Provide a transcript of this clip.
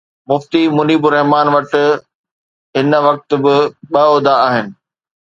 مفتي منيب الرحمان وٽ هن وقت ٻه عهدا آهن.